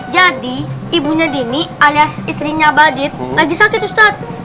jadi ibunya dini alias istrinya aba adit lagi sakit ustadz